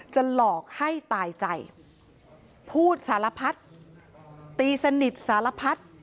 หลอกให้ตายใจพูดสารพัดตีสนิทสารพัด